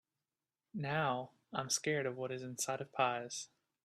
Now, I’m scared of what is inside of pies.